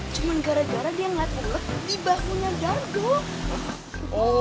cuma gara gara dia ngeliat bulet di bahu bahu dado